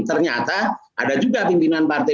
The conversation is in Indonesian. ternyata ada juga pimpinan partai